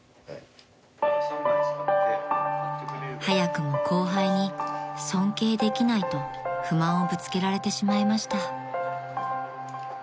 ［早くも後輩に尊敬できないと不満をぶつけられてしまいました］